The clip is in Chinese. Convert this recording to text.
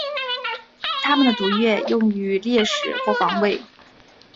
它们的毒液用于猎食或防卫。